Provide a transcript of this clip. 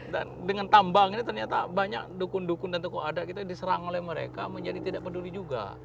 dan dengan tambang ini ternyata banyak dukun dukun dan tokoh adat kita diserang oleh mereka menjadi tidak peduli juga